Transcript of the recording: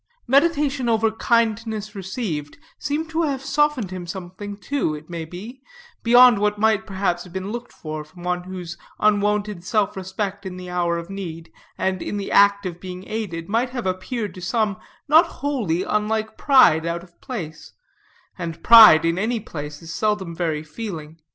Meditation over kindness received seemed to have softened him something, too, it may be, beyond what might, perhaps, have been looked for from one whose unwonted self respect in the hour of need, and in the act of being aided, might have appeared to some not wholly unlike pride out of place; and pride, in any place, is seldom very feeling.